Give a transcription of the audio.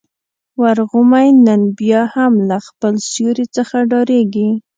ورغومی نن بيا هم له خپل سیوري څخه ډارېږي.